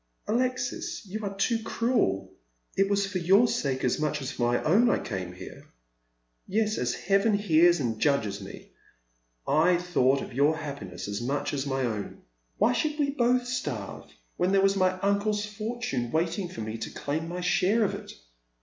" Alexis, you are too cruel. It was for your sake as much as for my own I came here. Yes, as Heaven hears and judges me, I thought of your happiness as much as of my own. Why should we both starve, when there was my uncle's fortune wait ing for me to claim my share of it